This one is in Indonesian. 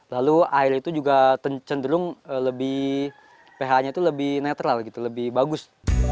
lalu air itu juga cenderung lebih ph nya itu lebih netral gitu lebih bagus